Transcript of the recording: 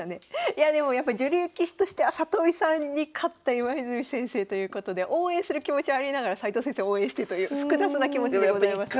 いやでもやっぱ女流棋士としては里見さんに勝った今泉先生ということで応援する気持ちはありながら斎藤先生を応援してという複雑な気持ちでございます。